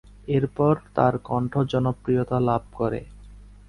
এরপর তার কণ্ঠ জনপ্রিয়তা লাভ করে।